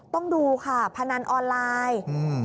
ต้องดูค่ะพนันออนไลน์